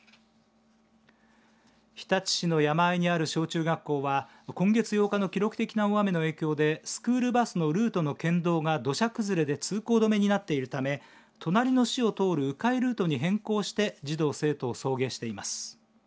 日立市の山あいにある小中学校は今月８日の記録的な大雨の影響でスクールバスのルートの県道が土砂崩れで通行止めになっているため隣の市を通るう回ルートに変更して児童生徒を送迎しています。